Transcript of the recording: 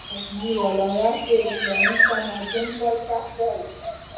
د غزني ولایت د اسلامي تمدن پاېتخت ده